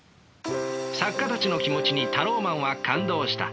作家たちの気持ちにタローマンは感動した。